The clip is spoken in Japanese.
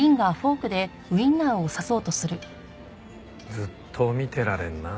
ずっと見てられるなあ。